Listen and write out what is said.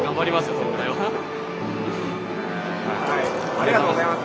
ありがとうございます。